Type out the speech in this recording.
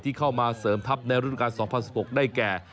เข้ามาเสริมทัพในฤดูการ๒๐๑๖ได้แก่